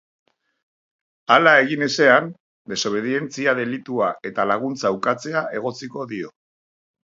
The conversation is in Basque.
Hala egin ezean, desobedientzia delitua eta laguntza ukatzea egotziko dio.